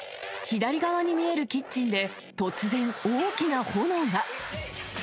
左側に見えるキッチンで、突然、大きな炎が。